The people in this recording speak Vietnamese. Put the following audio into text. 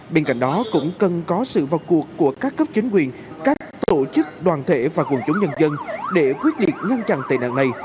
bên cạnh đó cũng cần có sự vào cuộc của các cấp chính quyền các tổ chức đoàn thể và quân chủ nhân dân để quyết định ngăn chặn tài năng này